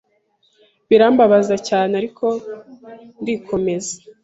birambabaza cyane ariko ndikomeza